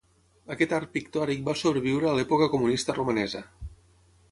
Aquest art pictòric va sobreviure a l'època comunista romanesa.